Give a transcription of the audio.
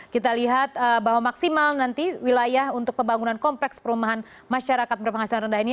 kita lihat bahwa maksimal nanti wilayah untuk pembangunan kompleks perumahan masyarakat berpenghasilan rendah ini